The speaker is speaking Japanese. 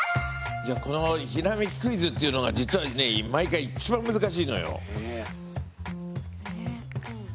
このひらめきクイズっていうのが実はね毎回一番難しいのよ。え！？え？